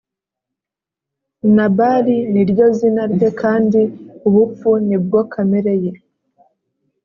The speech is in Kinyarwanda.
Nabali ni ryo izina rye kandi ubupfu ni bwo kamere ye.